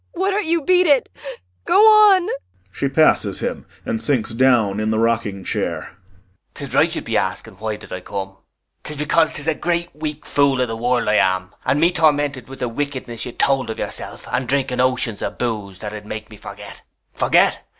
Why don't you beat it? Go on! [She passes him and sinks down in the rocking chair.] BURKE [Following her mournfully.] 'Tis right you'd be asking why did I come. [Then angrily.] 'Tis because 'tis a great weak fool of the world I am, and me tormented with the wickedness you'd told of yourself, and drinking oceans of booze that'd make me forget. Forget?